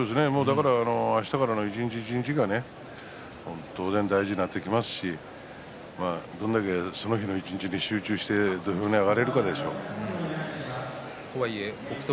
あしたからの一日一日が当然、大事になってきますしどれだけその日の一日に集中して土俵に上がることが北勝